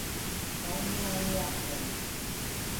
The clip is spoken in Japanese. ガイアオワコン